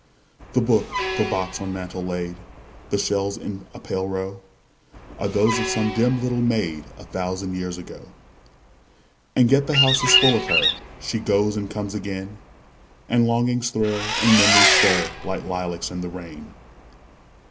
The book, the box on mantel laid, The shells in a pale row, Are those of some dim little maid, A thousand years ago. And yet the house is full of her; She goes and comes again; And longings thrill, and memories stir, Like lilacs in the rain.